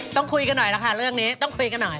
ต้องคุยกันหน่อยล่ะค่ะเรื่องนี้ต้องคุยกันหน่อย